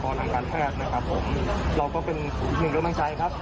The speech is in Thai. ทางการแพทย์นะครับผมเราก็เป็นหนึ่งกำลังใจครับ